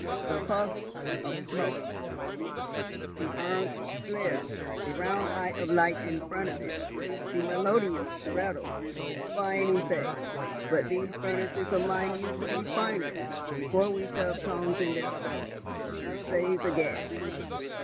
The puffs of smoke, the orange glare, the round eye of light in front of it, the melodious rattle. Fine effects! But these furnaces of mine used to be finer, before we shoved cones in their throats, and saved the gas."